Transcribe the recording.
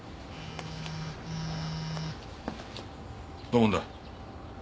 土門だ。